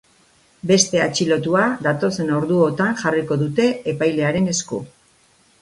Beste atxilotua datozen orduotan jarriko dute epailearen esku.